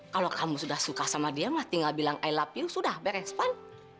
kalau kamu sudah suka sama dia mati gak bilang i love you sudah beres pun